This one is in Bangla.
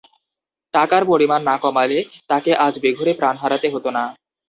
টাকার পরিমাণ না কমালে তাঁকে আজ বেঘোরে প্রাণ হারাতে হতো না।